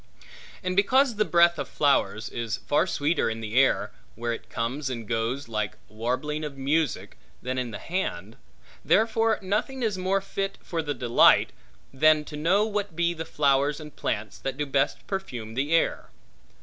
And because the breath of flowers is far sweeter in the air (where it comes and goes like the warbling of music) than in the hand, therefore nothing is more fit for that delight, than to know what be the flowers and plants that do best perfume the air.